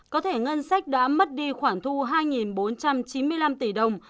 có thể ngân sách đã mất đi khoảng thu hai tỷ đồng